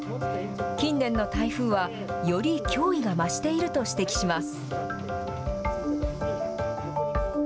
近年の台風は、より脅威が増していると指摘します。